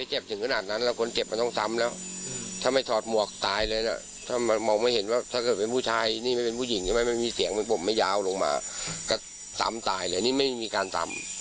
แห่งบ่มไม่ยาวลงมาจำตายเลยนี่ไม่มีการทำ